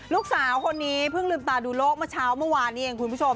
ลูกสาวคนนี้เพิ่งลืมตาดูโลกเมื่อเช้าเมื่อวานนี้เองคุณผู้ชม